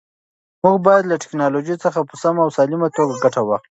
موږ باید له ټیکنالوژۍ څخه په سمه او سالمه توګه ګټه واخلو.